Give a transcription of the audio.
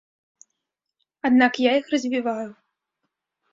Аднак я іх развіваю.